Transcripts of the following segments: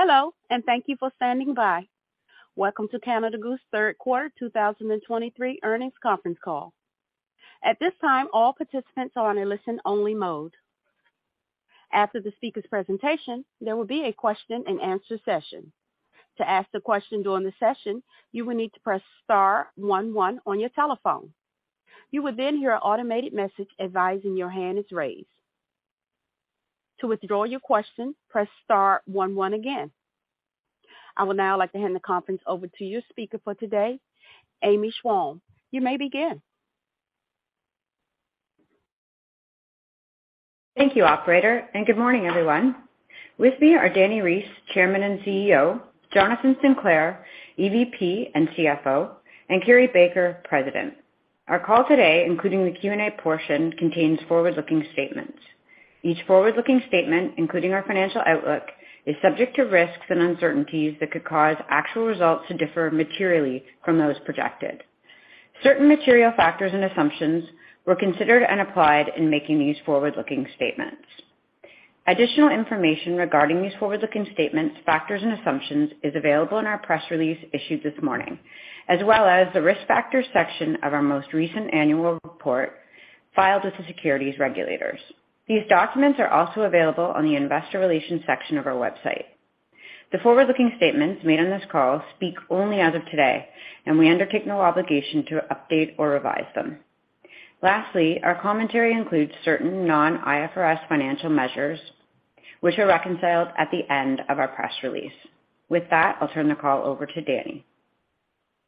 Hello, and thank you for standing by. Welcome to Canada Goose Third Quarter 2023 Earnings Conference Call. At this time, all participants are on a listen only mode. After the speaker's presentation, there will be a question and answer session. To ask the question during the session, you will need to press star one one on your telephone. You will then hear an automated message advising your hand is raised. To withdraw your question, press star one one again. I would now like to hand the conference over to your speaker for today, Amy Schwabe. You may begin. Thank you, operator. Good morning, everyone. With me are Dani Reiss, Chairman and CEO, Jonathan Sinclair, EVP and CFO, and Carrie Baker, President. Our call today, including the Q&A portion, contains forward-looking statements. Each forward-looking statement, including our financial outlook, is subject to risks and uncertainties that could cause actual results to differ materially from those projected. Certain material factors and assumptions were considered and applied in making these forward-looking statements. Additional information regarding these forward-looking statements, factors, and assumptions is available in our press release issued this morning, as well as the Risk Factors section of our most recent annual report filed with the securities regulators. These documents are also available on the Investor Relations section of our website. The forward-looking statements made on this call speak only as of today, and we undertake no obligation to update or revise them. Lastly, our commentary includes certain non-IFRS financial measures which are reconciled at the end of our press release. With that, I'll turn the call over to Dani.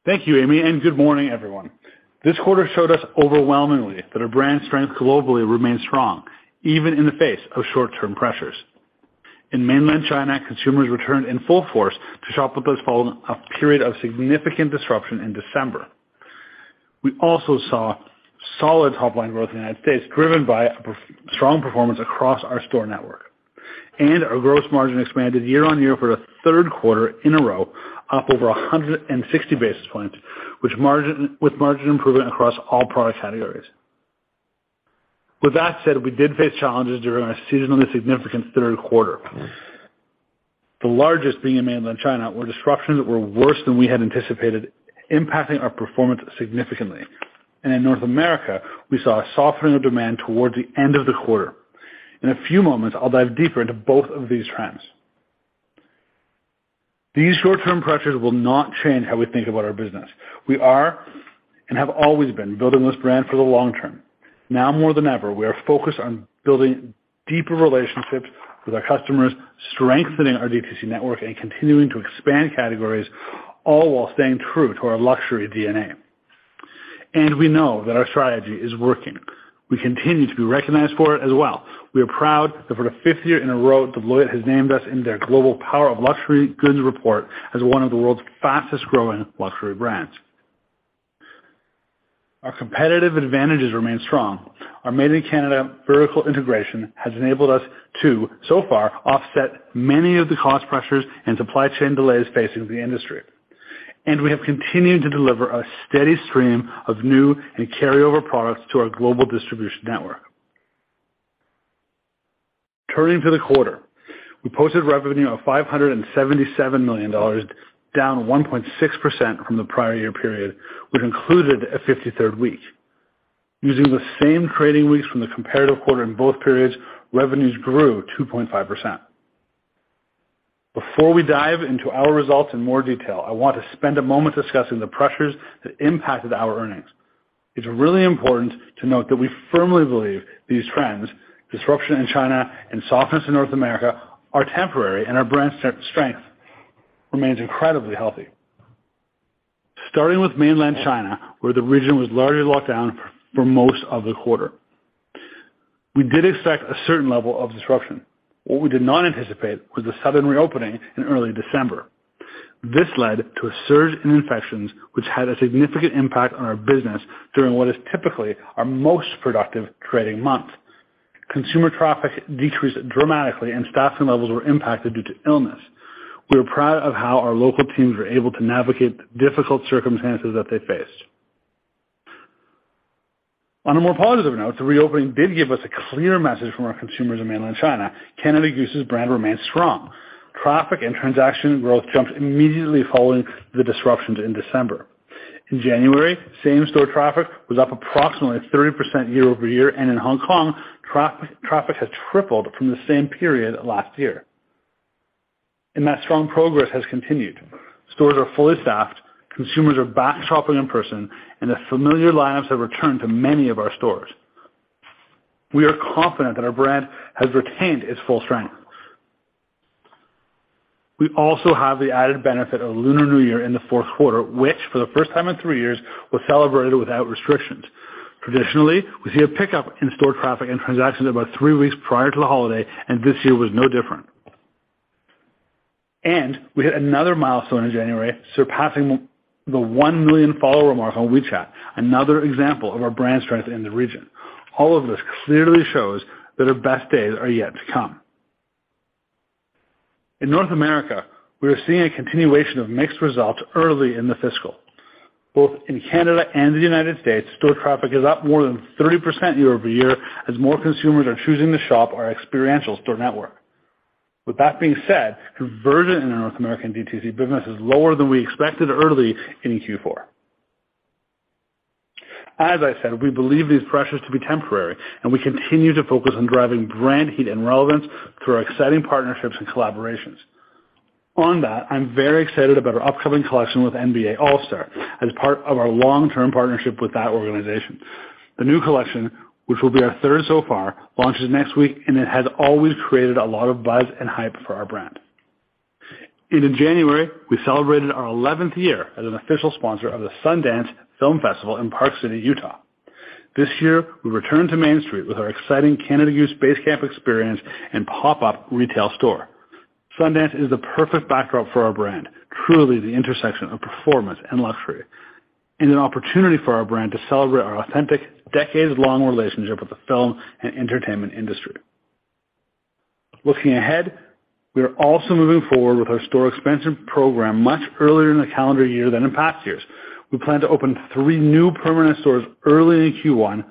Thank you, Amy, good morning, everyone. This quarter showed us overwhelmingly that our brand strength globally remains strong, even in the face of short-term pressures. In Mainland China, consumers returned in full force to shop with us following a period of significant disruption in December. We also saw solid top line growth in the United States, driven by a strong performance across our store network. Our gross margin expanded year-over-year for a third quarter in a row, up over 160 basis points, with margin improvement across all product categories. With that said, we did face challenges during a seasonally significant third quarter, the largest being in Mainland China, where disruptions were worse than we had anticipated, impacting our performance significantly. In North America, we saw a softening of demand towards the end of the quarter. In a few moments, I'll dive deeper into both of these trends. These short-term pressures will not change how we think about our business. We are, and have always been, building this brand for the long term. Now more than ever, we are focused on building deeper relationships with our customers, strengthening our DTC network and continuing to expand categories, all while staying true to our luxury DNA. We know that our strategy is working. We continue to be recognized for it as well. We are proud that for the fifth year in a row, Deloitte has named us in their Global Powers of Luxury Goods report as one of the world's fastest growing luxury brands. Our competitive advantages remain strong. Our made in Canada vertical integration has enabled us to, so far, offset many of the cost pressures and supply chain delays facing the industry. We have continued to deliver a steady stream of new and carryover products to our global distribution network. Turning to the quarter. We posted revenue of $577 million, down 1.6% from the prior year period, which included a 53rd week. Using the same trading weeks from the comparative quarter in both periods, revenues grew 2.5%. Before we dive into our results in more detail, I want to spend a moment discussing the pressures that impacted our earnings. It's really important to note that we firmly believe these trends, disruption in China and softness in North America, are temporary, and our brand strength remains incredibly healthy. Starting with Mainland China, where the region was largely locked down for most of the quarter. We did expect a certain level of disruption. What we did not anticipate was the sudden reopening in early December. This led to a surge in infections, which had a significant impact on our business during what is typically our most productive trading month. Consumer traffic decreased dramatically and staffing levels were impacted due to illness. We are proud of how our local teams were able to navigate the difficult circumstances that they faced. On a more positive note, the reopening did give us a clear message from our consumers in mainland China. Canada Goose's brand remains strong. Traffic and transaction growth jumped immediately following the disruptions in December. In January, same store traffic was up approximately 30% year-over-year, and in Hong Kong, traffic has tripled from the same period last year. That strong progress has continued. Stores are fully staffed. Consumers are back shopping in person. The familiar lineups have returned to many of our stores. We are confident that our brand has retained its full strength. We also have the added benefit of Lunar New Year in the fourth quarter, which for the first time in three years, was celebrated without restrictions. Traditionally, we see a pickup in store traffic and transactions about three weeks prior to the holiday, this year was no different. We hit another milestone in January, surpassing the 1 million follower mark on WeChat, another example of our brand strength in the region. All of this clearly shows that our best days are yet to come. In North America, we are seeing a continuation of mixed results early in the fiscal. Both in Canada and the United States, store traffic is up more than 30% year-over-year as more consumers are choosing to shop our experiential store network. With that being said, conversion in our North American DTC business is lower than we expected early in Q4. As I said, we believe these pressures to be temporary, and we continue to focus on driving brand heat and relevance through our exciting partnerships and collaborations. On that, I'm very excited about our upcoming collection with NBA All-Star as part of our long-term partnership with that organization. The new collection, which will be our third so far, launches next week, and it has always created a lot of buzz and hype for our brand. In January, we celebrated our eleventh year as an official sponsor of the Sundance Film Festival in Park City, Utah. This year, we returned to Main Street with our exciting Canada Goose Basecamp experience and pop-up retail store. Sundance is the perfect backdrop for our brand, truly the intersection of performance and luxury, and an opportunity for our brand to celebrate our authentic, decades-long relationship with the film and entertainment industry. Looking ahead, we are also moving forward with our store expansion program much earlier in the calendar year than in past years. We plan to open three new permanent stores early in Q1,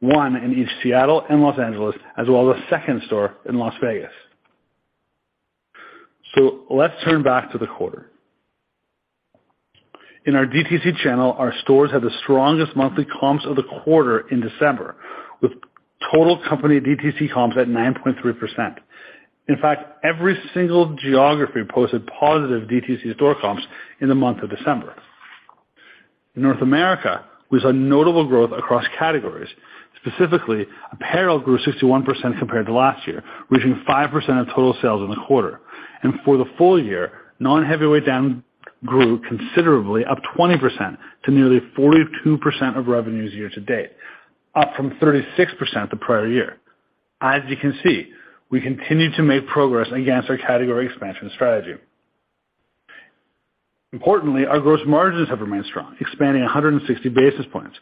one in East Seattle and Los Angeles, as well as a second store in Las Vegas. Let's turn back to the quarter. In our DTC channel, our stores had the strongest monthly comps of the quarter in December, with total company DTC comps at 9.3%. In fact, every single geography posted positive DTC store comps in the month of December. North America, we saw notable growth across categories. Specifically, apparel grew 61% compared to last year, reaching 5% of total sales in the quarter. For the full year, non-heavyweight down grew considerably, up 20% to nearly 42% of revenues year to date, up from 36% the prior year. As you can see, we continue to make progress against our category expansion strategy. Importantly, our gross margins have remained strong, expanding 160 basis points.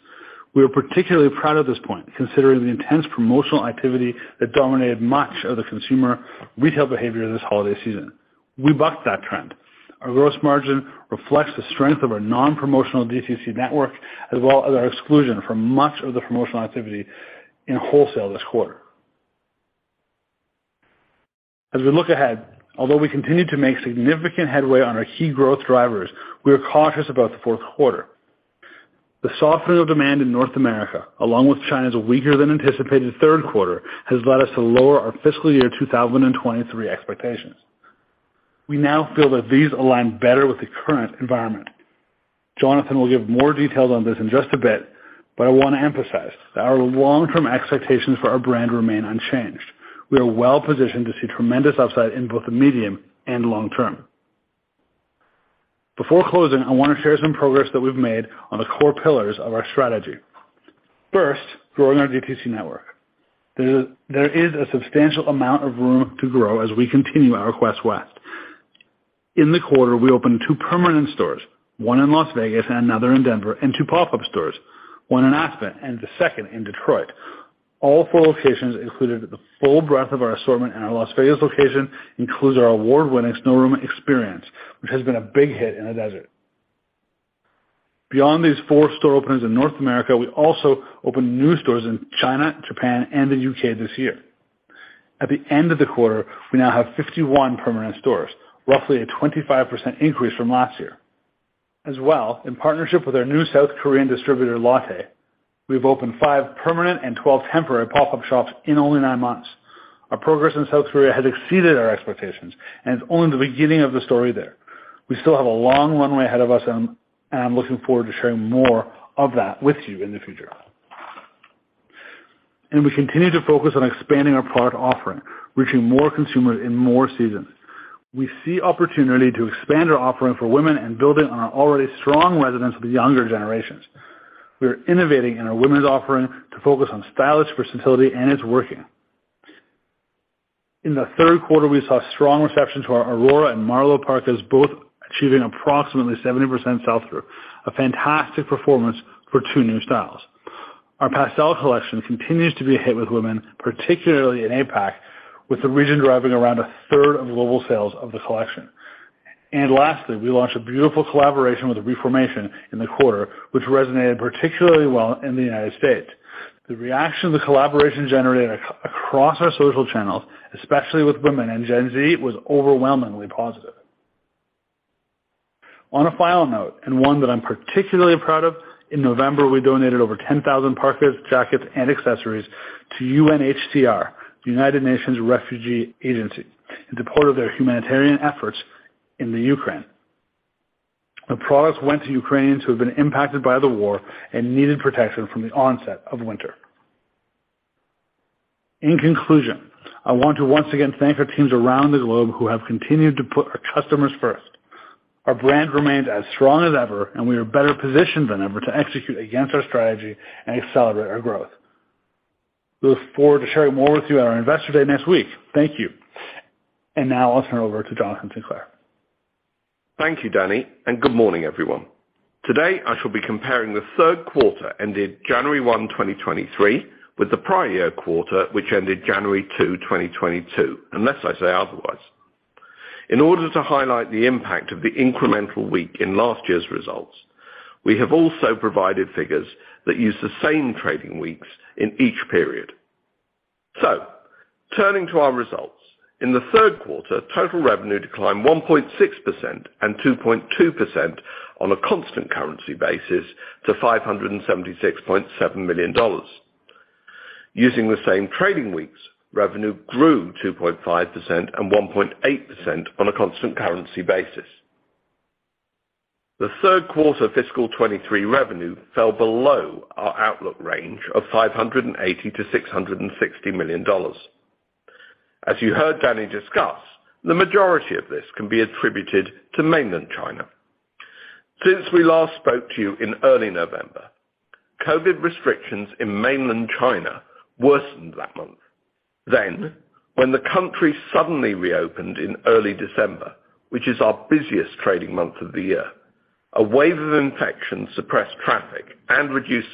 We are particularly proud of this point, considering the intense promotional activity that dominated much of the consumer retail behavior this holiday season. We bucked that trend. Our gross margin reflects the strength of our non-promotional DTC network as well as our exclusion from much of the promotional activity in wholesale this quarter. As we look ahead, although we continue to make significant headway on our key growth drivers, we are cautious about the fourth quarter. The softening of demand in North America, along with China's weaker than anticipated third quarter, has led us to lower our fiscal year 2023 expectations. We now feel that these align better with the current environment. Jonathan will give more details on this in just a bit. I wanna emphasize that our long-term expectations for our brand remain unchanged. We are well positioned to see tremendous upside in both the medium and long term. Before closing, I wanna share some progress that we've made on the core pillars of our strategy. First, growing our DTC network. There is a substantial amount of room to grow as we continue our quest west. In the quarter, we opened two permanent stores, one in Las Vegas and another in Denver, and two pop-up stores, one in Aspen and the second in Detroit. All 4 locations included the full breadth of our assortment, and our Las Vegas location includes our award-winning Snow Room experience, which has been a big hit in the desert. Beyond these four store openings in North America, we also opened new stores in China, Japan, and the U.K. this year. At the end of the quarter, we now have 51 permanent stores, roughly a 25% increase from last year. In partnership with our new South Korean distributor, Lotte, we've opened five permanent and 12 temporary pop-up shops in only nine months. Our progress in South Korea has exceeded our expectations, and I'm looking forward to sharing more of that with you in the future. We continue to focus on expanding our product offering, reaching more consumers in more seasons. We see opportunity to expand our offering for women and building on our already strong resonance with the younger generations. We are innovating in our women's offering to focus on stylish versatility, and it's working. In the third quarter, we saw strong reception to our Aurora and Marlow parkas, both achieving approximately 70% sell-through, a fantastic performance for two new styles. Our Pastels Collection continues to be a hit with women, particularly in APAC, with the region driving around 1/3 of global sales of the collection. Lastly, we launched a beautiful collaboration with Reformation in the quarter, which resonated particularly well in the United States. The reaction the collaboration generated across our social channels, especially with women and Gen Z, was overwhelmingly positive. On a final note, and one that I'm particularly proud of, in November, we donated over 10,000 parkas, jackets, and accessories to UNHCR, the United Nations Refugee Agency, in support of their humanitarian efforts in the Ukraine. The products went to Ukrainians who have been impacted by the war and needed protection from the onset of winter. In conclusion, I want to once again thank our teams around the globe who have continued to put our customers first. Our brand remained as strong as ever, and we are better positioned than ever to execute against our strategy and accelerate our growth. We look forward to sharing more with you at our Investor Day next week. Thank you. Now I'll turn it over to Jonathan Sinclair. Thank you, Dani. Good morning, everyone. Today, I shall be comparing the third quarter ended January 1st, 2023, with the prior year quarter, which ended January 2nd, 2022, unless I say otherwise. In order to highlight the impact of the incremental week in last year's results, we have also provided figures that use the same trading weeks in each period. Turning to our results, in the third quarter, total revenue declined 1.6% and 2.2% on a constant currency basis to $576.7 million. Using the same trading weeks, revenue grew 2.5% and 1.8% on a constant currency basis. The third quarter fiscal 2023 revenue fell below our outlook range of $580 million-$660 million. As you heard Dani discuss, the majority of this can be attributed to Mainland China. Since we last spoke to you in early November, COVID restrictions in Mainland China worsened that month. When the country suddenly reopened in early December, which is our busiest trading month of the year, a wave of infections suppressed traffic and reduced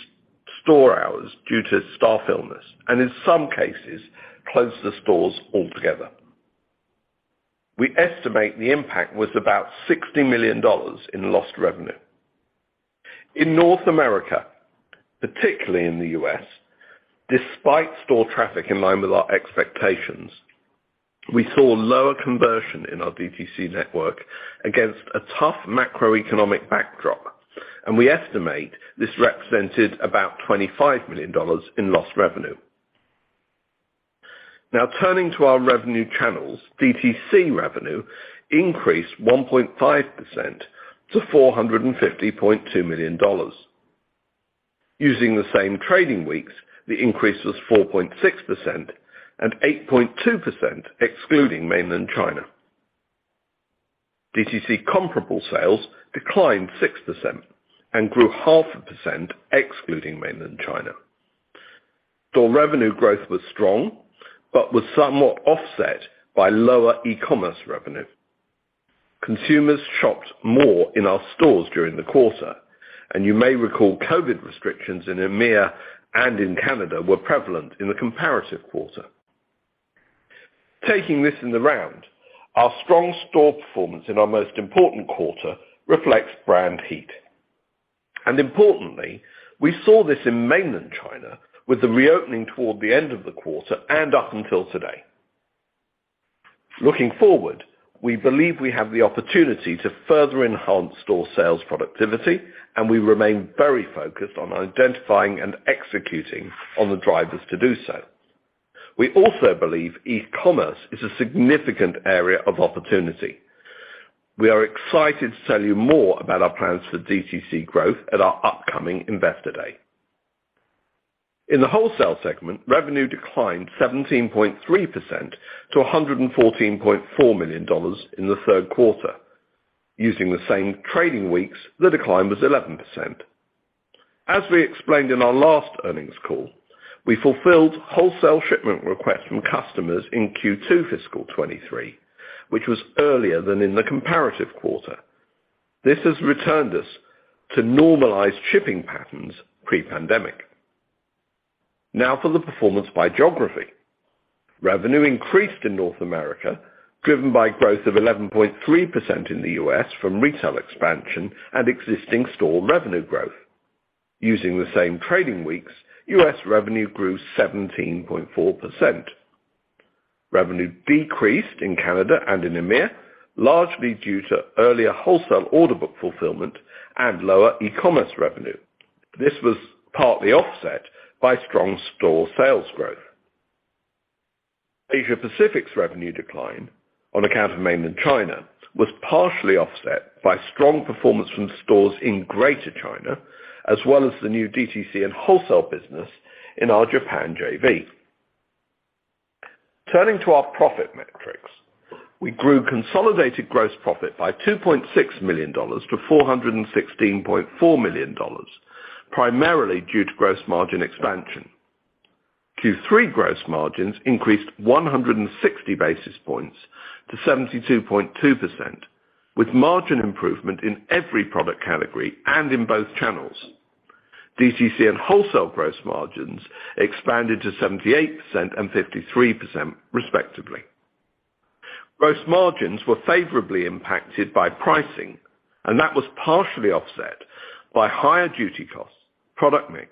store hours due to staff illness, and in some cases, closed the stores altogether. We estimate the impact was about $60 million in lost revenue. In North America, particularly in the U.S., despite store traffic in line with our expectations, we saw lower conversion in our DTC network against a tough macroeconomic backdrop, and we estimate this represented about $25 million in lost revenue. Turning to our revenue channels, DTC revenue increased 1.5% to $450.2 million. Using the same trading weeks, the increase was 4.6% and 8.2% excluding Mainland China. DTC comparable sales declined 6% and grew 0.5% excluding Mainland China. Store revenue growth was strong, but was somewhat offset by lower e-commerce revenue. Consumers shopped more in our stores during the quarter, and you may recall COVID restrictions in EMEA and in Canada were prevalent in the comparative quarter. Taking this in the round, our strong store performance in our most important quarter reflects brand heat. Importantly, we saw this in Mainland China with the reopening toward the end of the quarter and up until today. Looking forward, we believe we have the opportunity to further enhance store sales productivity, and we remain very focused on identifying and executing on the drivers to do so. We also believe e-commerce is a significant area of opportunity. We are excited to tell you more about our plans for DTC growth at our upcoming Investor Day. In the wholesale segment, revenue declined 17.3% to 114.4 million dollars in the third quarter. Using the same trading weeks, the decline was 11%. As we explained in our last earnings call, we fulfilled wholesale shipment requests from customers in Q2 fiscal 2023, which was earlier than in the comparative quarter. This has returned us to normalized shipping patterns pre-pandemic. For the performance by geography. Revenue increased in North America, driven by growth of 11.3% in the U.S. from retail expansion and existing store revenue growth. Using the same trading weeks, U.S. revenue grew 17.4%. Revenue decreased in Canada and in EMEA, largely due to earlier wholesale order fulfillment and lower e-commerce revenue. This was partly offset by strong store sales growth. Asia Pacific's revenue decline on account of Mainland China was partially offset by strong performance from stores in Greater China, as well as the new DTC and wholesale business in our Japan JV. Turning to our profit metrics, we grew consolidated gross profit by 2.6 million-416.4 million dollars, primarily due to gross margin expansion. Q3 gross margins increased 160 basis points to 72.2% with margin improvement in every product category and in both channels. DTC and wholesale gross margins expanded to 78% and 53%, respectively. Gross margins were favorably impacted by pricing, and that was partially offset by higher duty costs, product mix,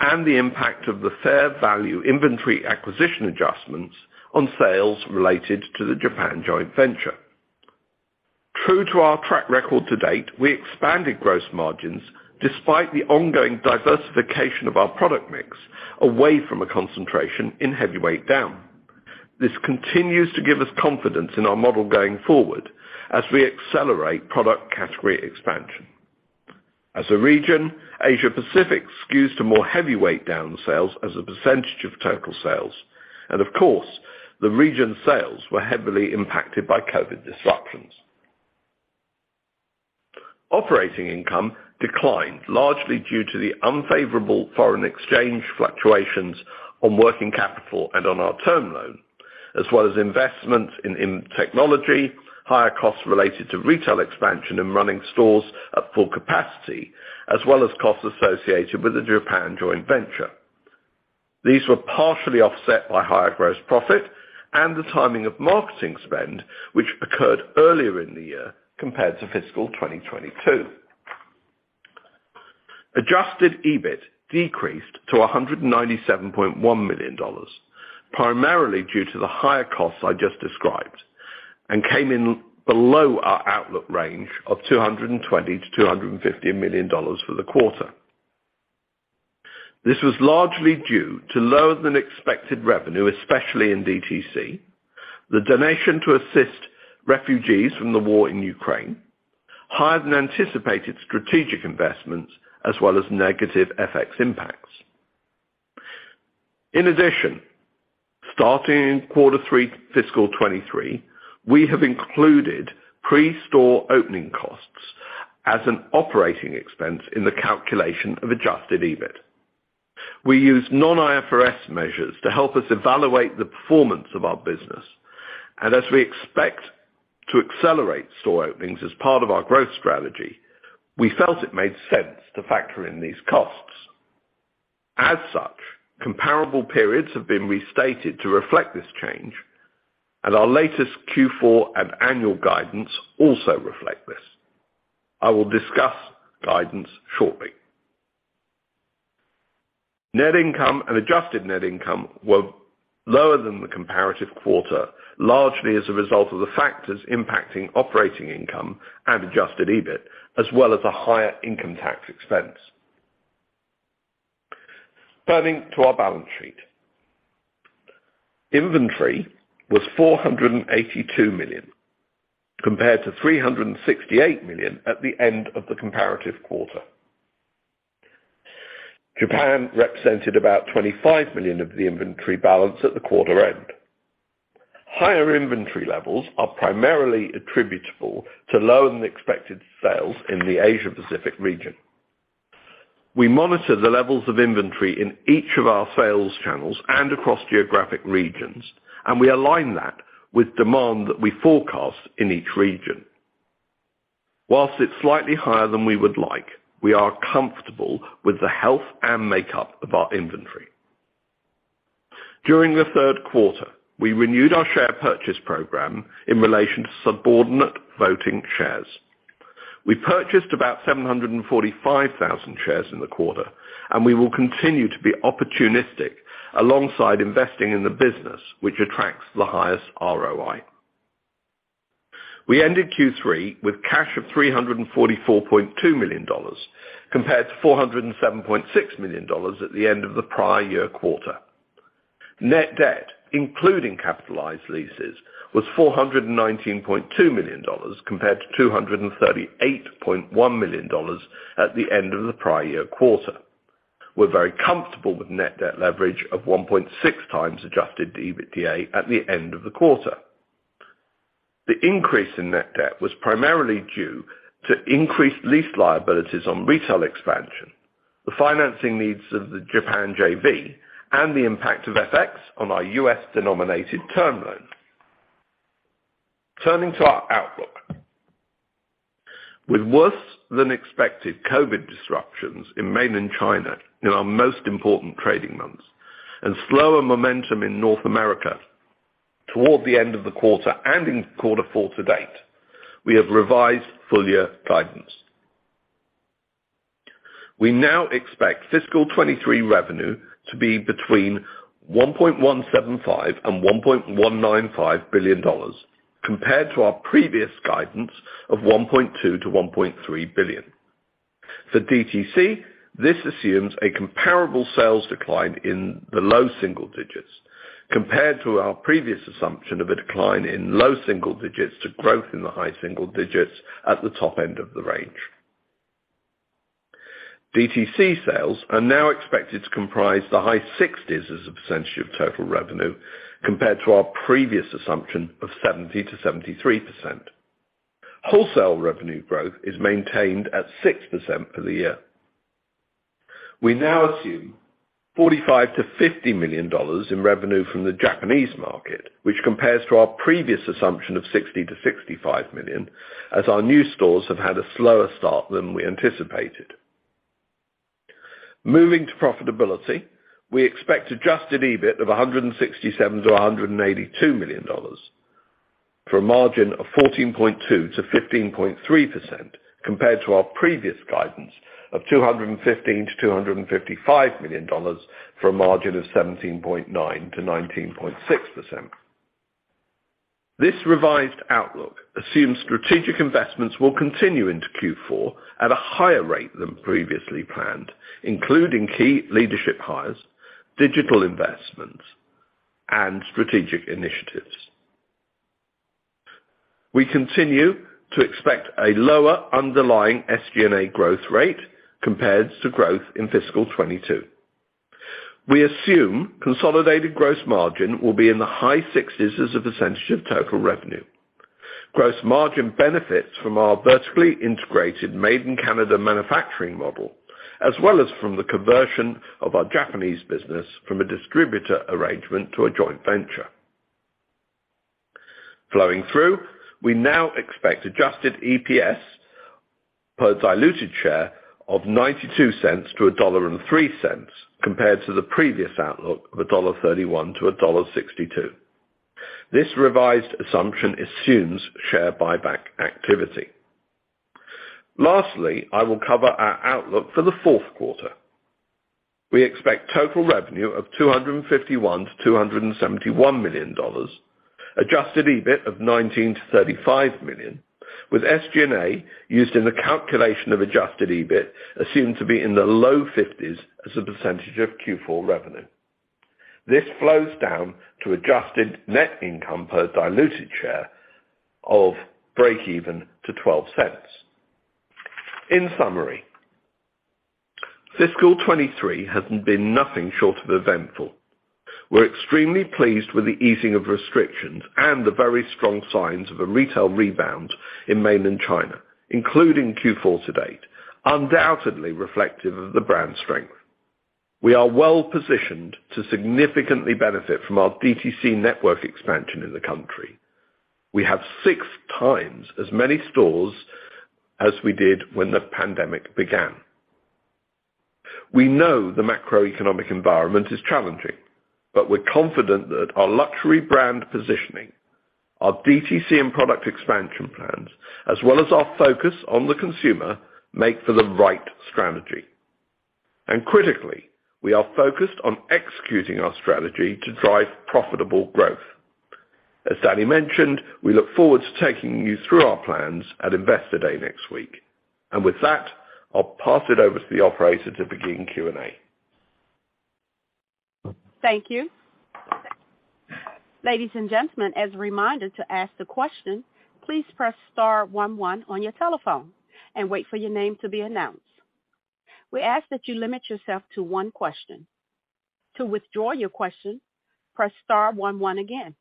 and the impact of the fair value inventory acquisition adjustments on sales related to the Japan joint venture. True to our track record to date, we expanded gross margins despite the ongoing diversification of our product mix away from a concentration in heavyweight down. This continues to give us confidence in our model going forward as we accelerate product category expansion. As a region, Asia Pacific skews to more heavyweight down sales as a percentage of total sales. Of course, the region sales were heavily impacted by COVID disruptions. Operating income declined largely due to the unfavorable foreign exchange fluctuations on working capital and on our term loan, as well as investment in technology, higher costs related to retail expansion and running stores at full capacity, as well as costs associated with the Japan joint venture. These were partially offset by higher gross profit and the timing of marketing spend, which occurred earlier in the year compared to fiscal 2022. Adjusted EBITDA decreased to 197.1 million dollars, primarily due to the higher costs I just described, came in below our outlook range of 220 million-250 million dollars for the quarter. This was largely due to lower than expected revenue, especially in DTC, the donation to assist refugees from the war in Ukraine, higher than anticipated strategic investments, as well as negative FX impacts. In addition, starting in quarter three fiscal 2023, we have included pre-store opening costs as an operating expense in the calculation of adjusted EBITDA. We use non-IFRS measures to help us evaluate the performance of our business. As we expect to accelerate store openings as part of our growth strategy, we felt it made sense to factor in these costs. As such, comparable periods have been restated to reflect this change, and our latest Q4 and annual guidance also reflect this. One will discuss guidance shortly. Net income and adjusted net income were lower than the comparative quarter, largely as a result of the factors impacting operating income and adjusted EBITDA, as well as a higher income tax expense. Turning to our balance sheet. Inventory was 482 million, compared to 368 million at the end of the comparative quarter. Japan represented about 25 million of the inventory balance at the quarter end. Higher inventory levels are primarily attributable to lower than expected sales in the Asia Pacific region. We monitor the levels of inventory in each of our sales channels and across geographic regions, and we align that with demand that we forecast in each region. Whilst it's slightly higher than we would like, we are comfortable with the health and makeup of our inventory. During the third quarter, we renewed our share purchase program in relation to subordinate voting shares. We purchased about 745,000 shares in the quarter, and we will continue to be opportunistic alongside investing in the business which attracts the highest ROI. We ended Q3 with cash of 344.2 million dollars, compared to 407.6 million dollars at the end of the prior year quarter. Net debt, including capitalized leases, was 419.2 million dollars, compared to 238.1 million dollars at the end of the prior year quarter. We're very comfortable with net debt leverage of 1.6x adjusted EBITDA at the end of the quarter. The increase in net debt was primarily due to increased lease liabilities on retail expansion, the financing needs of the Japan JV, and the impact of FX on our U.S. denominated term loan. Turning to our outlook. With worse than expected COVID disruptions in mainland China in our most important trading months and slower momentum in North America toward the end of the quarter and in Q4 to date, we have revised full year guidance. We now expect fiscal 2023 revenue to be between 1.175 billion and 1.195 billion dollars compared to our previous guidance of 1.2 billion-1.3 billion. For DTC, this assumes a comparable sales decline in the low single digits compared to our previous assumption of a decline in low single digits to growth in the high single digits at the top end of the range. DTC sales are now expected to comprise the high sixties as a percentage of total revenue compared to our previous assumption of 70%-73%. Wholesale revenue growth is maintained at 6% for the year. We now assume 45 million-50 million dollars in revenue from the Japanese market, which compares to our previous assumption of 60 million-65 million, as our new stores have had a slower start than we anticipated. Moving to profitability, we expect adjusted EBIT of 167 million-182 million dollars, for a margin of 14.2%-15.3%, compared to our previous guidance of 215 million-255 million dollars, for a margin of 17.9%-19.6%. This revised outlook assumes strategic investments will continue into Q4 at a higher rate than previously planned, including key leadership hires, digital investments, and strategic initiatives. We continue to expect a lower underlying SG&A growth rate compared to growth in fiscal 2022. We assume consolidated gross margin will be in the high 60s as a percentage of total revenue. Gross margin benefits from our vertically integrated Made in Canada manufacturing model, as well as from the conversion of our Canada Goose Japan business from a distributor arrangement to a joint venture. Flowing through, we now expect adjusted EPS per diluted share of 0.92-1.03 dollar compared to the previous outlook of 1.31-1.62 dollar. This revised assumption assumes share buyback activity. Lastly, I will cover our outlook for the fourth quarter. We expect total revenue of 251 million-271 million dollars, adjusted EBITDA of 19 million-35 million, with SG&A used in the calculation of adjusted EBITDA assumed to be in the low 50s as a % of Q4 revenue. This flows down to adjusted Net Income per diluted share of breakeven-CAD 0.12. In summary, fiscal 2023 has been nothing short of eventful. We're extremely pleased with the easing of restrictions and the very strong signs of a retail rebound in Mainland China, including Q4 to date, undoubtedly reflective of the brand strength. We are well positioned to significantly benefit from our DTC network expansion in the country. We have six times as many stores as we did when the pandemic began. We know the macroeconomic environment is challenging, but we're confident that our luxury brand positioning, our DTC and product expansion plans, as well as our focus on the consumer, make for the right strategy. Critically, we are focused on executing our strategy to drive profitable growth. As Dani mentioned, we look forward to taking you through our plans at Investor Day next week. With that, I'll pass it over to the operator to begin Q&A. Thank you. Ladies and gentlemen, as a reminder to ask the question, please press star one one on your telephone and wait for your name to be announced. We ask that you limit yourself to one question. To withdraw your question, press star one one again.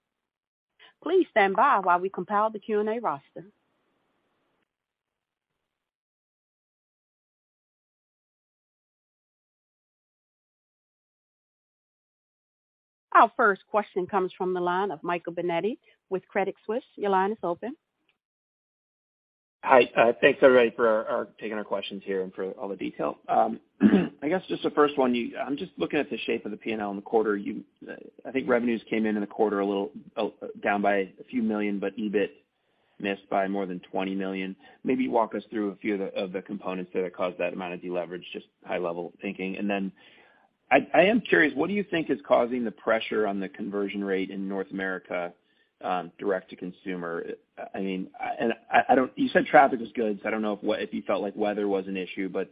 Please stand by while we compile the Q&A roster. Our first question comes from the line of Michael Binetti with Credit Suisse. Your line is open. Hi. Thanks, everybody, for taking our questions here and for all the detail. I guess just the first one, I'm just looking at the shape of the P&L in the quarter. I think revenues came in in the quarter a little down by a few million, but EBITDA missed by more than 20 million. Maybe walk us through a few of the components that have caused that amount of deleverage, just high level thinking. I am curious, what do you think is causing the pressure on the conversion rate in North America, direct to consumer? I don't... You said traffic was good, so I don't know if you felt like weather was an issue, but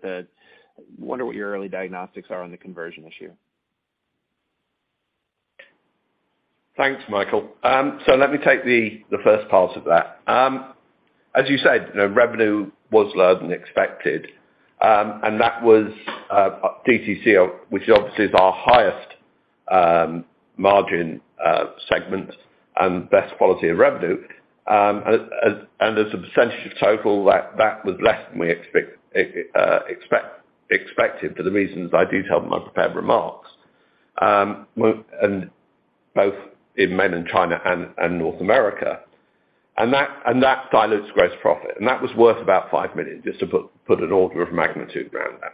wonder what your early diagnostics are on the conversion issue. Thanks, Michael. Let me take the first part of that. As you said, you know, revenue was lower than expected, and that was DTC, which obviously is our highest margin segment and best quality of revenue. As a percentage of total, that was less than we expected for the reasons I detailed in my prepared remarks, and both in Mainland China and North America. That dilutes gross profit. That was worth about 5 million, just to put an order of magnitude around that.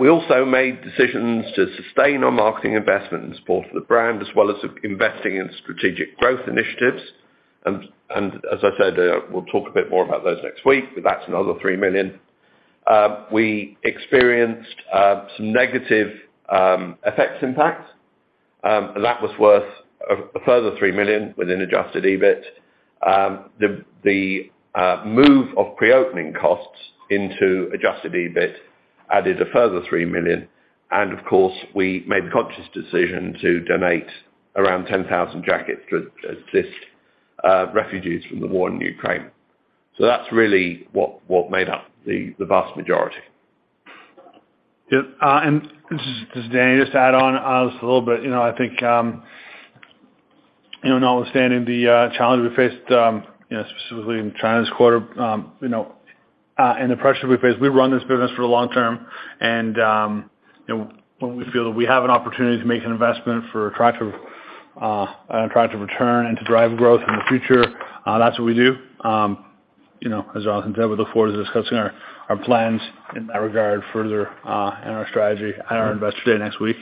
We also made decisions to sustain our marketing investment in support of the brand, as well as investing in strategic growth initiatives. As I said, we'll talk a bit more about those next week, but that's another 3 million. We experienced some negative effects impacts, and that was worth a further 3 million within adjusted EBITDA. The move of pre-opening costs into adjusted EBITDA added a further 3 million. Of course, we made the conscious decision to donate around 10,000 jackets to assist refugees from the war in Ukraine. That's really what made up the vast majority. Yeah. This is, this is Dani. Just to add on this a little bit. You know, I think, you know, notwithstanding the challenge we faced, you know, specifically in China this quarter, you know, and the pressure we face, we run this business for the long term and, you know, when we feel that we have an opportunity to make an investment for traffic return and to drive growth in the future, that's what we do. You know, as Jonathan Sinclair said, we look forward to discussing our plans in that regard further, and our strategy at our Investor Day next week.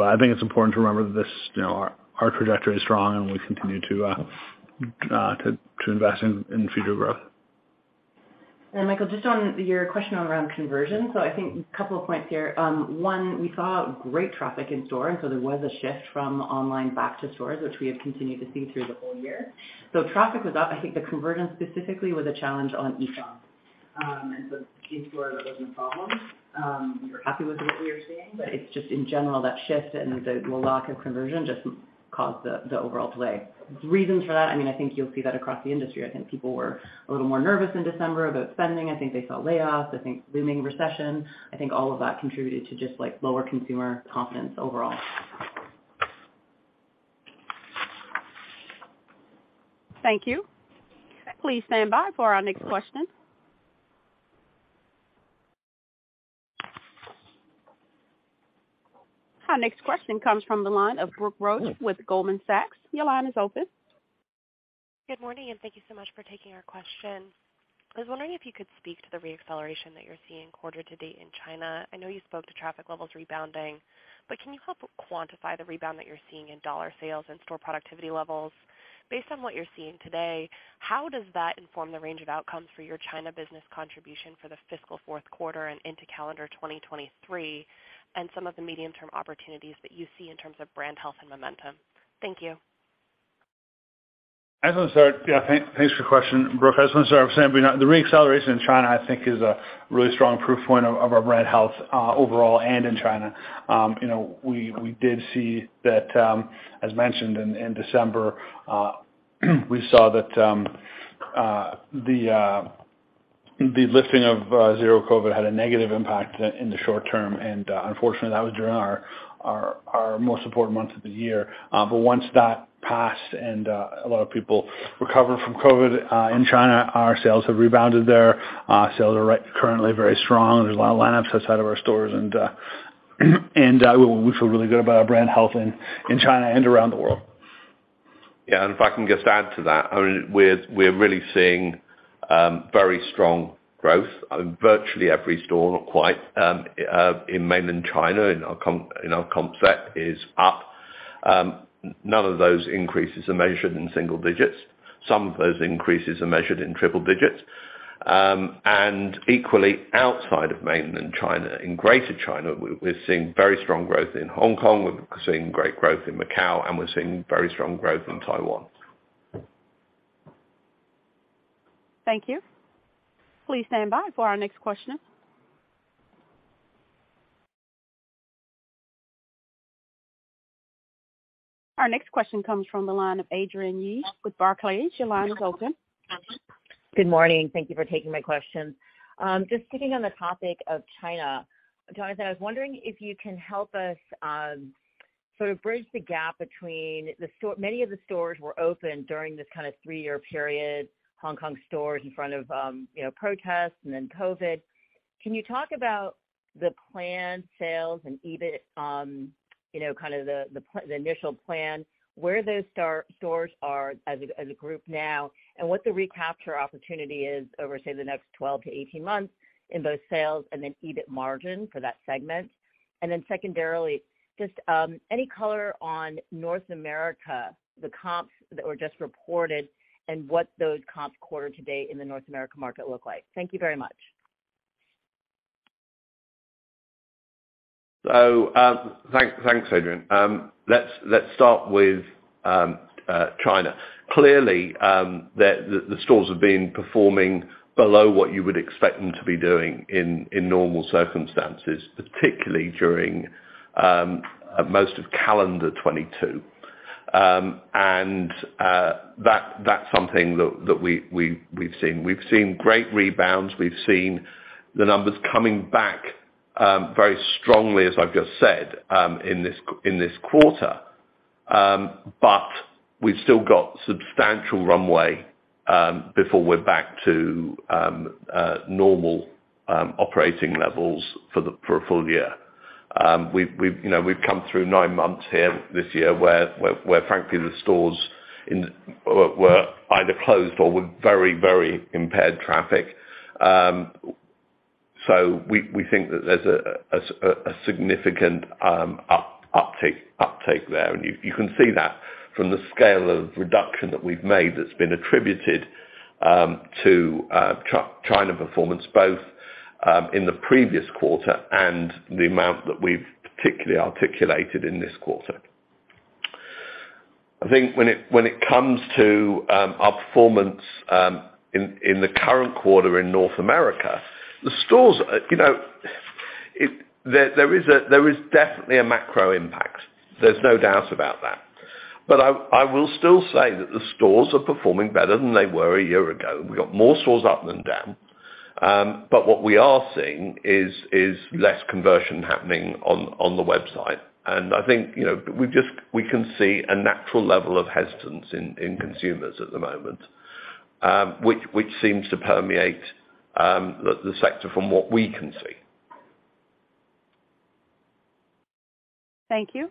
I think it's important to remember that this, you know, our trajectory is strong and we continue to invest in future growth. Michael, just on your question around conversion. I think a couple of points here. One, we saw great traffic in store, and so there was a shift from online back to stores, which we have continued to see through the whole year. Traffic was up. I think the conversion specifically was a challenge on e-com. And so in-store, there wasn't a problem. We're happy with what we are seeing, but it's just in general that shift and the lack of conversion just caused the overall delay. The reason for that, I mean, I think you'll see that across the industry. I think people were a little more nervous in December about spending. I think they saw layoffs. I think looming recession. I think all of that contributed to just, like, lower consumer confidence overall. Thank you. Please stand by for our next question. Our next question comes from the line of Brooke Roach with Goldman Sachs. Your line is open. Good morning, thank you so much for taking our question. I was wondering if you could speak to the re-acceleration that you're seeing quarter to date in China. I know you spoke to traffic levels rebounding, but can you help quantify the rebound that you're seeing in dollar sales and store productivity levels? Based on what you're seeing today, how does that inform the range of outcomes for your China business contribution for the fiscal fourth quarter and into calendar 2023, and some of the medium-term opportunities that you see in terms of brand health and momentum? Thank you. I just want to start. Thanks for the question, Brooke. I just want to start by saying the re-acceleration in China, I think, is a really strong proof point of our brand health overall and in China. You know, we did see that, as mentioned in December, we saw that the lifting of zero COVID had a negative impact in the short term, unfortunately, that was during our most important months of the year. Once that passed and a lot of people recovered from COVID in China, our sales have rebounded there. Sales are currently very strong. There's a lot of lineups outside of our stores and we feel really good about our brand health in China and around the world. Yeah, if I can just add to that, I mean, we're really seeing very strong growth in virtually every store, not quite in mainland China. In our comp set is up. None of those increases are measured in single digits. Some of those increases are measured in triple digits. Equally outside of mainland China, in Greater China, we're seeing very strong growth in Hong Kong, we're seeing great growth in Macau, and we're seeing very strong growth in Taiwan. Thank you. Please stand by for our next question. Our next question comes from the line of Adrienne Yih with Barclays. Your line is open. Good morning. Thank you for taking my questions. Just sticking on the topic of China, Jonathan, I was wondering if you can help us sort of bridge the gap between many of the stores were open during this kinda three-year period, Hong Kong stores in front of, you know, protests and then COVID. Can you talk about the planned sales and EBITDA, kind of the initial plan, where those stores are as a group now and what the recapture opportunity is over, say, the next 12-18 months in both sales and then EBITDA margin for that segment? Secondarily, just any color on North America, the comps that were just reported and what those comps quarter to date in the North America market look like. Thank you very much. Thanks, Adrienne. Let's start with China. Clearly, the stores have been performing below what you would expect them to be doing in normal circumstances, particularly during most of calendar 2022. That's something that we've seen. We've seen great rebounds. We've seen the numbers coming back very strongly, as I've just said, in this quarter. We've still got substantial runway before we're back to normal operating levels for a full year. We've, you know, we've come through nine months here this year where frankly the stores were either closed or with very impaired traffic. We think that there's a significant uptake there. You, you can see that from the scale of reduction that we've made that's been attributed to China performance, both in the previous quarter and the amount that we've particularly articulated in this quarter. I think when it, when it comes to our performance in the current quarter in North America, the stores, you know, there is definitely a macro impact. There's no doubt about that. I will still say that the stores are performing better than they were a year ago. We got more stores up than down. What we are seeing is less conversion happening on the website. I think, you know, we can see a natural level of hesitance in consumers at the moment, which seems to permeate the sector from what we can see. Thank you.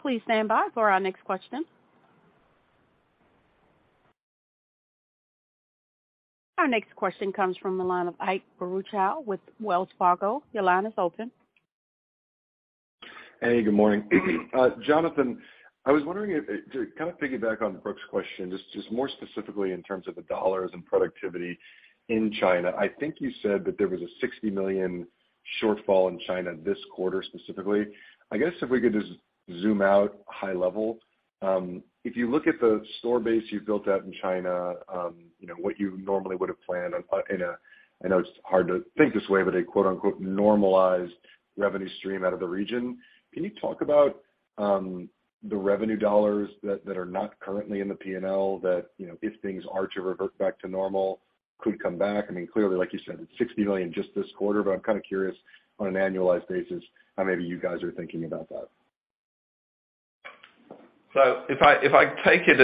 Please stand by for our next question. Our next question comes from the line of Ike Boruchow with Wells Fargo. Your line is open. Hey, good morning. Jonathan, I was wondering to kind of piggyback on Brooke's question, just more specifically in terms of the dollars and productivity in China, I think you said that there was a 60 million shortfall in China this quarter specifically. I guess if we could just zoom out high level. If you look at the store base you've built out in China, you know, what you normally would have planned in a I know it's hard to think this way, but a quote-unquote normalized revenue stream out of the region. Can you talk about the revenue dollars that are not currently in the P&L that, you know, if things are to revert back to normal, could come back? I mean, clearly, like you said, it's 60 million just this quarter, but I'm kinda curious on an annualized basis, how maybe you guys are thinking about that. If I take it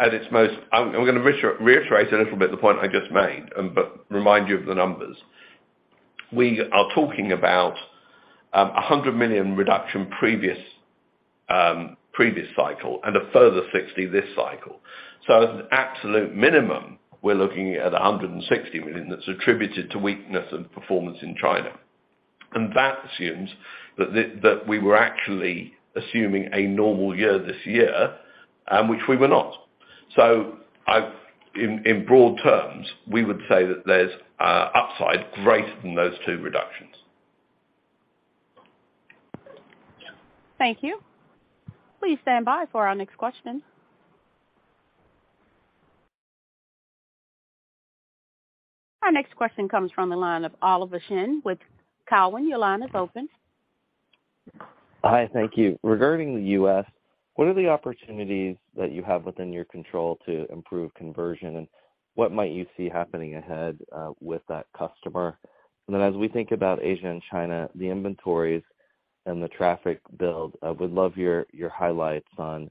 at its most, I'm gonna reiterate a little bit the point I just made, but remind you of the numbers. We are talking about a 100 million reduction previous previous cycle and a further 60 this cycle. As an absolute minimum, we're looking at 160 million that's attributed to weakness of performance in China. That assumes that we were actually assuming a normal year this year, which we were not. In broad terms, we would say that there's upside greater than those two reductions. Thank you. Please stand by for our next question. Our next question comes from the line of Oliver Chen with Cowen. Your line is open. Hi. Thank you. Regarding the U.S., what are the opportunities that you have within your control to improve conversion, and what might you see happening ahead with that customer? Then as we think about Asia and China, the inventories and the traffic build, I would love your highlights on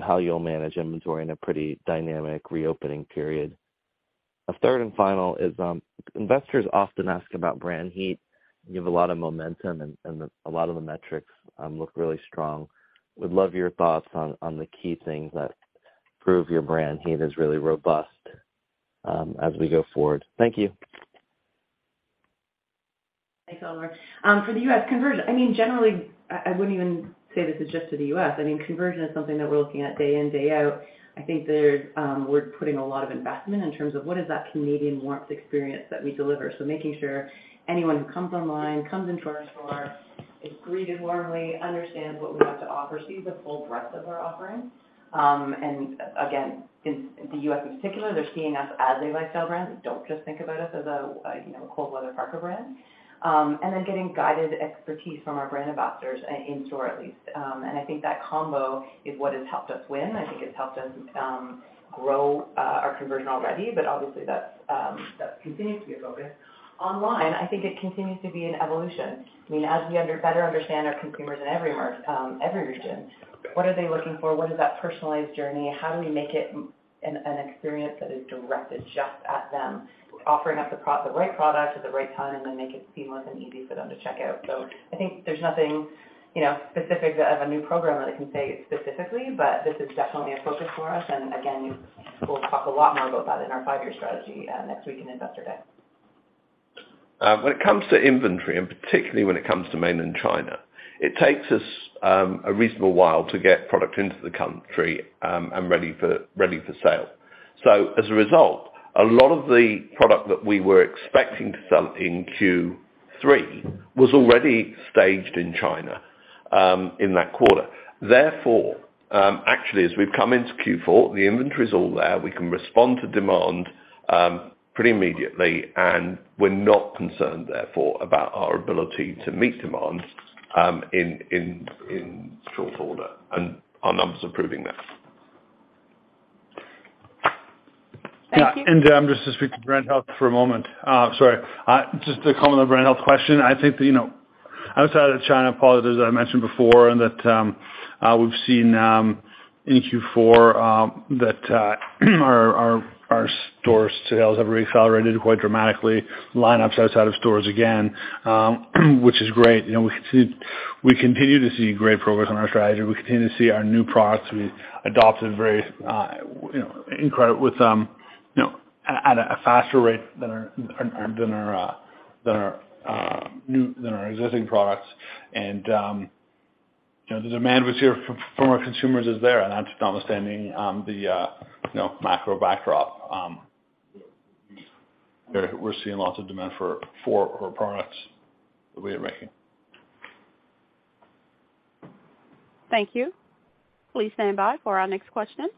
how you'll manage inventory in a pretty dynamic reopening period. Third and final is, investors often ask about brand heat. You have a lot of momentum and a lot of the metrics look really strong. Would love your thoughts on the key things that prove your brand heat is really robust as we go forward. Thank you. Thanks, Oliver. For the U.S. conversion, I mean, generally, I wouldn't even say this is just to the U.S. I mean, conversion is something that we're looking at day in, day out. I think there's, we're putting a lot of investment in terms of what is that Canadian warmth experience that we deliver. Making sure anyone who comes online, comes into our store is greeted warmly, understands what we have to offer, sees the full breadth of our offering. Again, in the U.S. in particular, they're seeing us as a lifestyle brand. They don't just think about us as a, you know, cold weather parka brand. And they're getting guided expertise from our brand ambassadors in store at least. I think that combo is what has helped us win. I think it's helped us grow our conversion already. Obviously that's, that continues to be a focus. Online, I think it continues to be an evolution. I mean, as we better understand our consumers in every region, what are they looking for? What is that personalized journey? How do we make it an experience that is directed just at them, offering up the right product at the right time, and then make it seamless and easy for them to check out. I think there's nothing, you know, specific of a new program that I can say specifically, but this is definitely a focus for us. Again, we'll talk a lot more about that in our five-year strategy, next week in Investor Day. When it comes to inventory, and particularly when it comes to mainland China, it takes us a reasonable while to get product into the country and ready for sale. As a result, a lot of the product that we were expecting to sell in Q3 was already staged in China in that quarter. Actually, as we've come into Q4, the inventory is all there. We can respond to demand pretty immediately, and we're not concerned therefore about our ability to meet demand in short order. Our numbers are proving that. Thank you. Yeah. Just to speak to brand health for a moment. Sorry. Just to comment on the brand health question. I think that, you know, outside of China, Paula, as I mentioned before, and that we've seen in Q4 that our store sales have re-accelerated quite dramatically. Lineups outside of stores again, which is great. You know, we continue to see great progress on our strategy. We continue to see our new products we adopted very, you know, incredible with, you know, at a faster rate than our existing products. You know, the demand we hear from our consumers is there. That's notwithstanding, you know, the macro backdrop. We're seeing lots of demand for our products that we are making. Thank you. Please stand by for our next question.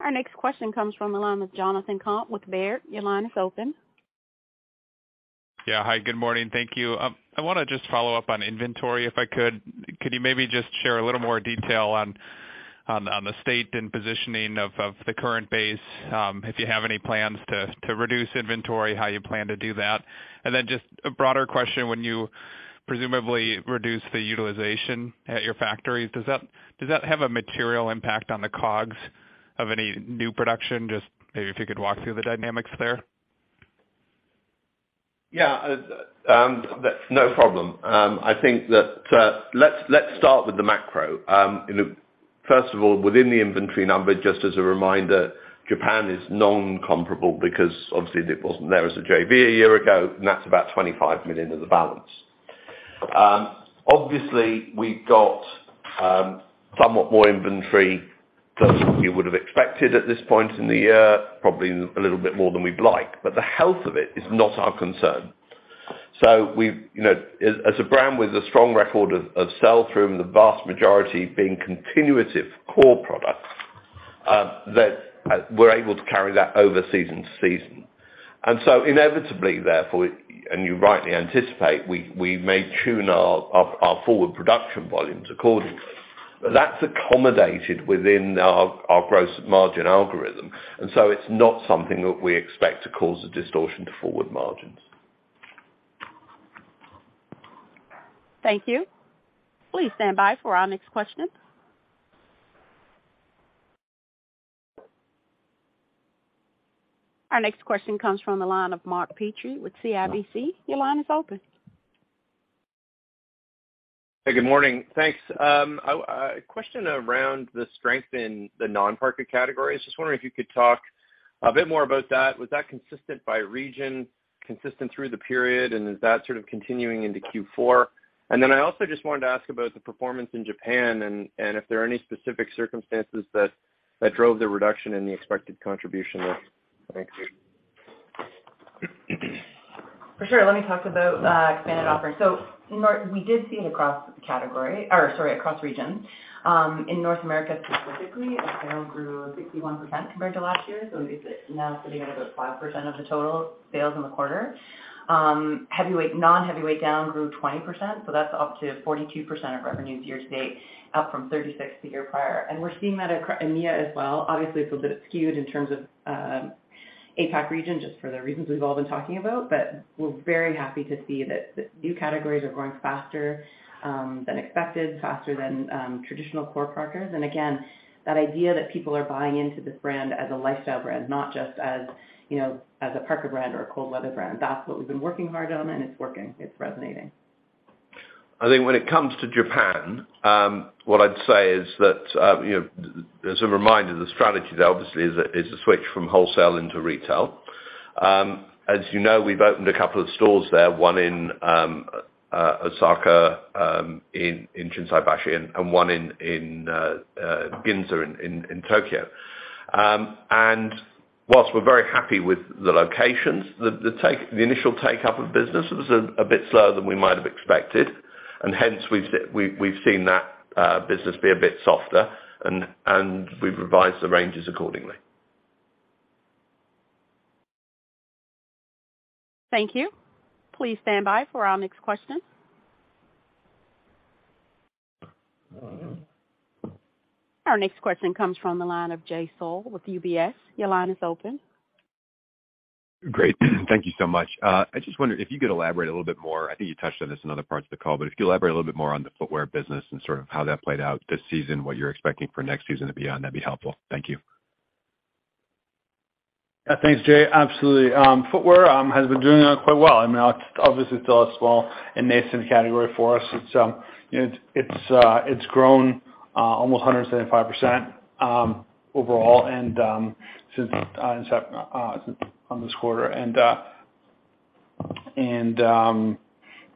Our next question comes from the line with Jonathan Komp with Baird. Your line is open. Yeah. Hi, good morning. Thank you. I wanna just follow up on inventory if I could. Could you maybe just share a little more detail on the state and positioning of the current base, if you have any plans to reduce inventory, how you plan to do that? Then just a broader question, when you presumably reduce the utilization at your factories, does that have a material impact on the COGS of any new production? Just maybe if you could walk through the dynamics there. Yeah. That's no problem. I think that, let's start with the macro. You know, first of all, within the inventory number, just as a reminder, Japan is non-comparable because obviously it wasn't there as a JV a year ago, and that's about 25 million of the balance. Obviously we've got somewhat more inventory than you would have expected at this point in the year, probably a little bit more than we'd like. The health of it is not our concern. We've, you know, as a brand with a strong record of sell-through and the vast majority being continuative core products, that we're able to carry that over season to season. Inevitably therefore, and you rightly anticipate, we may tune our forward production volumes accordingly. That's accommodated within our gross margin algorithm, and so it's not something that we expect to cause a distortion to forward margins. Thank you. Please stand by for our next question. Our next question comes from the line of Mark Petrie with CIBC. Your line is open. Hey, good morning. Thanks. A question around the strength in the non-parka categories. Just wondering if you could talk a bit more about that. Was that consistent by region, consistent through the period, and is that sort of continuing into Q4? I also just wanted to ask about the performance in Japan and if there are any specific circumstances that drove the reduction in the expected contribution there. Thanks. For sure. Let me talk about expanded offerings. Mark, we did see across the category or sorry, across regions. In North America specifically, our sales grew 61% compared to last year. It's now sitting at about 5% of the total sales in the quarter. Heavyweight, non-heavyweight down grew 20%, so that's up to 42% of revenue year to date, up from 36 the year prior. We're seeing that EMEA as well. Obviously, it's a bit skewed in terms of APAC region, just for the reasons we've all been talking about. We're very happy to see that the new categories are growing faster than expected, faster than traditional core parkas. Again, that idea that people are buying into this brand as a lifestyle brand, not just as, you know, as a parka brand or a cold weather brand. That's what we've been working hard on, and it's working, it's resonating. I think when it comes to Japan, what I'd say is that, you know, as a reminder, the strategy there obviously is to switch from wholesale into retail. As you know, we've opened a couple of stores there, one in Osaka, in Shinsaibashi and one in Ginza in Tokyo. Whilst we're very happy with the locations, the initial take-up of business was a bit slower than we might have expected, and hence we've seen that business be a bit softer and we've revised the ranges accordingly. Thank you. Please stand by for our next question. Our next question comes from the line of Jay Sole with UBS. Your line is open. Great. Thank you so much. I just wondered if you could elaborate a little bit more. I think you touched on this in other parts of the call, but if you elaborate a little bit more on the footwear business and sort of how that played out this season, what you're expecting for next season and beyond, that'd be helpful. Thank you. Yeah, thanks, Jay. Absolutely. Footwear has been doing quite well. I mean, obviously it's still a small and nascent category for us. It's, you know, it's grown almost 175% overall. Since, on this quarter,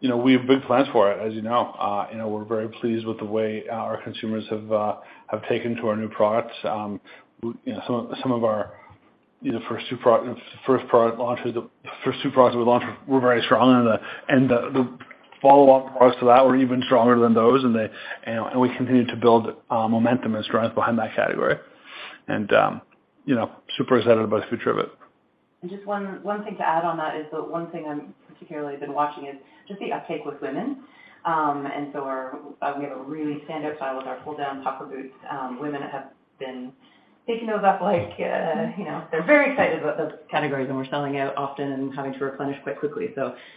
you know, we have big plans for it, as you know. You know, we're very pleased with the way our consumers have taken to our new products. You know, some of, some of our, you know, first product launches, the first two products we launched were very strong and the, and the follow-up products to that were even stronger than those. They, and we continue to build momentum and strength behind that category. You know, super excited about the future of it. Just one thing to add on that is the one thing I'm particularly been watching is just the uptake with women. We have a really standout style with our Cypress Fold-Down Puffer Boot. Women have been picking those up like, you know, they're very excited about those categories, and we're selling out often and having to replenish quite quickly.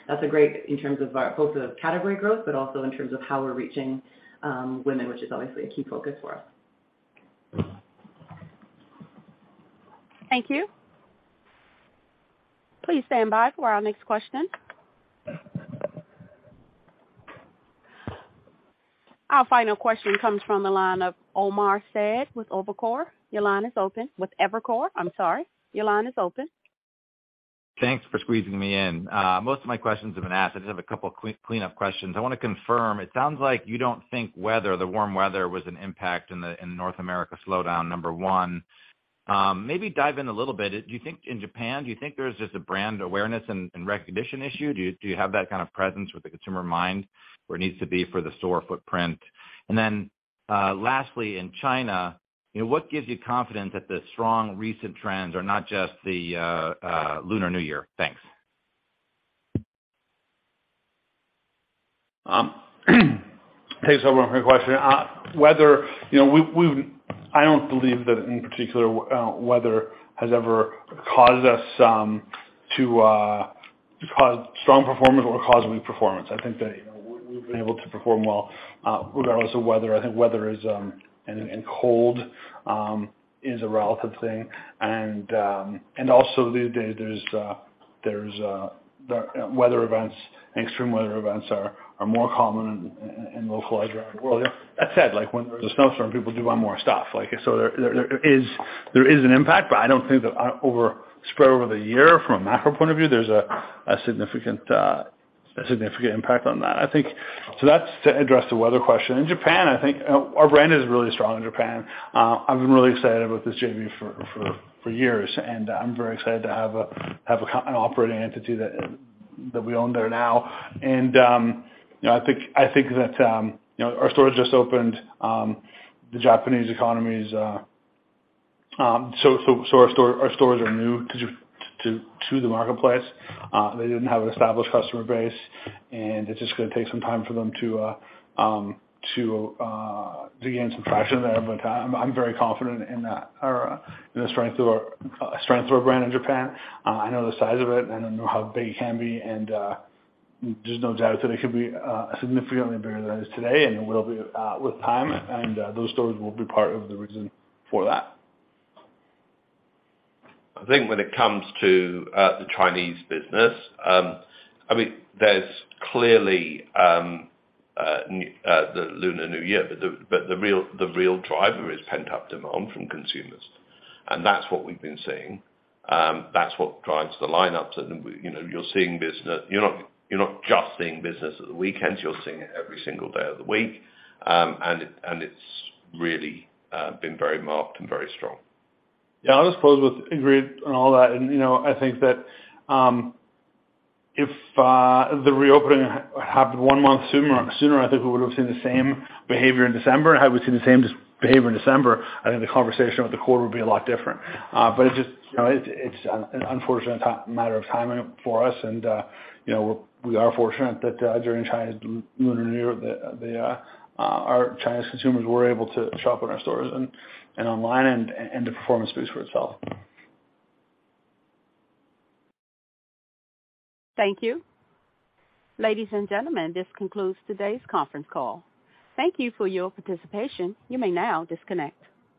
That's great in terms of our both the category growth but also in terms of how we're reaching women, which is obviously a key focus for us. Thank you. Please stand by for our next question. Our final question comes from the line of Omar Saad with Evercore. Your line is open. With Evercore, I'm sorry. Your line is open. Thanks for squeezing me in. Most of my questions have been asked. I just have a couple clean up questions. I wanna confirm. It sounds like you don't think weather, the warm weather was an impact in North America slowdown, number one. Maybe dive in a little bit. Do you think in Japan, do you think there's just a brand awareness and recognition issue? Do you have that kind of presence with the consumer mind where it needs to be for the store footprint? Lastly, in China, you know, what gives you confidence that the strong recent trends are not just the Lunar New Year? Thanks. Thanks, Omar, for your question. Weather, you know, I don't believe that any particular weather has ever caused us to cause strong performance or cause weak performance. I think that, you know, we've been able to perform well regardless of weather. I think weather is, and cold, is a relative thing. Also there's the weather events and extreme weather events are more common and localized around the world. That said, like when there's a snowstorm, people do want more stuff, like, so there is an impact, but I don't think that over spread over the year from a macro point of view, there's a significant impact on that. So that's to address the weather question. In Japan, I think, our brand is really strong in Japan. I've been really excited about this JV for years, and I'm very excited to have an operating entity that we own there now. you know, I think that, you know, our stores just opened, the Japanese economy's... Our stores are new to the marketplace. They didn't have an established customer base, and it's just gonna take some time for them to gain some traction there. I'm very confident in the strength of our brand in Japan. I know the size of it. I know how big it can be, and there's no doubt that it could be significantly bigger than it is today and will be with time, and those stores will be part of the reason for that. I think when it comes to the Chinese business, I mean, there's clearly the Lunar New Year, but the real driver is pent-up demand from consumers. That's what we've been seeing. That's what drives the lineups. You know, you're not just seeing business at the weekends. You're seeing it every single day of the week. It's really been very marked and very strong. Yeah, I'll just close with, agree on all that. you know, I think that, if the reopening had happened one month sooner, I think we would have seen the same behavior in December. Had we seen the same behavior in December, I think the conversation with the quarter would be a lot different. it just, you know, it's an unfortunate matter of timing for us and, you know, we're, we are fortunate that, during China's Lunar New Year, the, our Chinese consumers were able to shop in our stores and online, and the performance speaks for itself. Thank you. Ladies and gentlemen, this concludes today's conference call. Thank you for your participation. You may now disconnect.